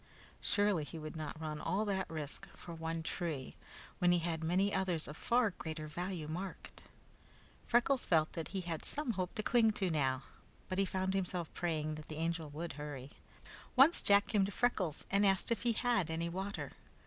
Surely he would not run all that risk for one tree, when he had many others of far greater value marked. Freckles felt that he had some hope to cling to now, but he found himself praying that the Angel would hurry. Once Jack came to Freckles and asked if he had any water.